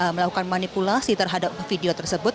melakukan manipulasi terhadap video tersebut